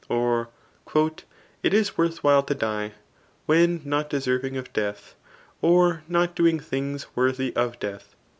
Or, " It is worth while to die^ when not deserving of death, or not doing things wor« thy of death."